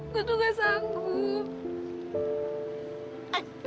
gue tuh gak sanggup